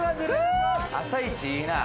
朝イチいいなぁ。